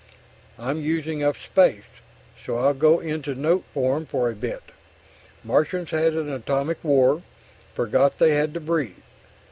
I'm using up space, so I'll go into note form for a bit. Martians had an atomic war forgot they had to breathe